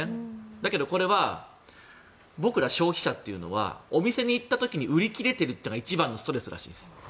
だけどこれは僕ら消費者っていうのはお店に行った時に売り切れてるっていうのが一番のストレスらしいです。